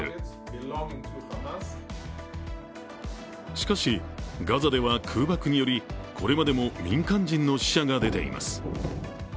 しかし、ガザでは空爆によりこれまでも民間人の死者が出ています。